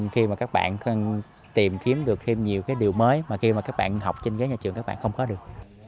khi mà các bạn tìm kiếm được thêm nhiều cái điều mới mà khi mà các bạn học trên ghế nhà trường các bạn không có được